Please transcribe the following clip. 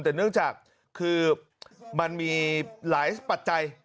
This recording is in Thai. แต่เนื่องจากคือมันมีหลายปัจจัย